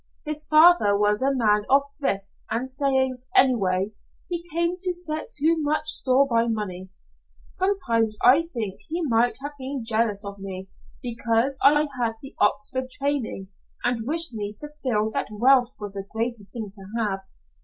His father was a man of thrift and saving anyway, he came to set too much store by money. Sometimes I think he might have been jealous of me because I had the Oxford training, and wished me to feel that wealth was a greater thing to have.